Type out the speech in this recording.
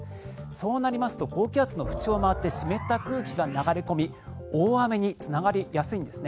そうなりますと高気圧の縁を回って湿った空気が流れ込み大雨につながりやすいんです。